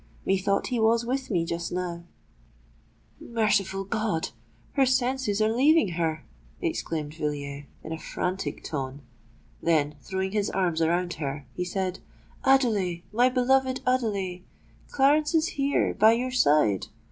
Methought he was with me just now——" "Merciful God! her senses are leaving her!" exclaimed Villiers, in a frantic tone: then, throwing his arms around her, he said, "Adelais—my beloved Adelais—Clarence is here—by your side!